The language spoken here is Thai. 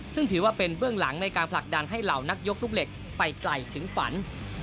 ซึ่งถือว่าเป็นเบื้องหลังในการผลักดันให้เหล่านักยกลูกเหล็กไปไกลถึงฝัน